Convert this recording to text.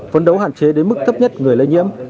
phấn đấu hạn chế đến mức thấp nhất người lây nhiễm